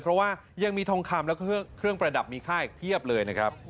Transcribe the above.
เพราะว่ายังมีทองคำแล้วก็เครื่องประดับมีค่าอีกเพียบเลยนะครับ